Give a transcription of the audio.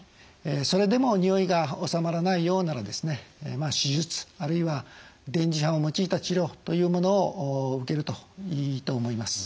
それでもにおいが治まらないようなら手術あるいは電磁波を用いた治療というものを受けるといいと思います。